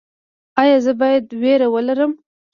ایا زه باید ویره ولرم؟